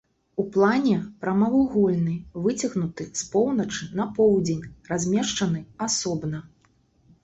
У плане прамавугольны, выцягнуты з поўначы на поўдзень, размешчаны асобна.